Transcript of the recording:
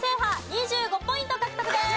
２５ポイント獲得です！